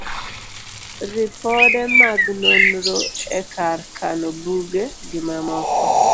ripode mag nonro e kar kano buge, gi mamoko